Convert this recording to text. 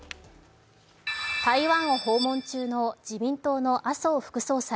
台湾を訪問中の自民党の麻生副総裁。